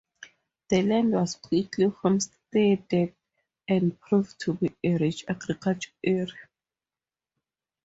The land was quickly homesteaded and proved to be a rich agricultural area.